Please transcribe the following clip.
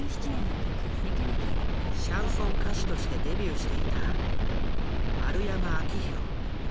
シャンソン歌手としてデビューしていた丸山明宏。